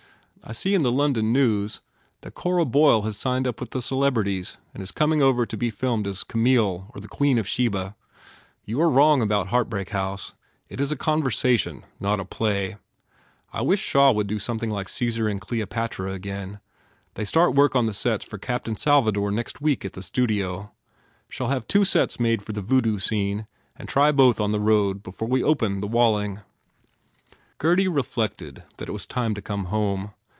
I see in the London news that Cora Boyle has signed up with the Celebrities and is coming over to be filmed as Camille or The Queen of Sheba. You are wrong about Heartbreak 156 GURDY House. 1 It is a conversation, not a play. I wish Shaw would do something like Caesar and Cleo patra again. They start work on the sets for Captain Salvador next week at the studio. Shall have two sets made for the Voodoo scene and try both on the road before we open the Walling." Gurdy reflected that it was time to come home.